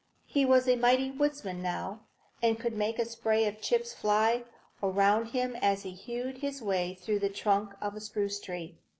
He was a mighty woodsman now, and could make a spray of chips fly around him as he hewed his way through the trunk of spruce tree.